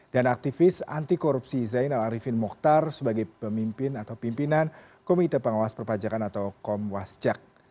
dan aktivis anti korupsi zainal arifin mokhtar sebagai pemimpin atau pimpinan komite pengawas perpajakan atau komwasjak